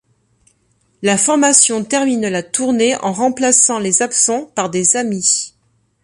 La formation termine la tournée en remplaçant les absents par des amis.